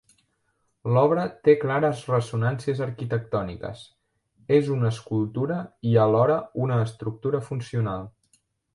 L'obra té clares ressonàncies arquitectòniques: és una escultura i alhora una estructura funcional.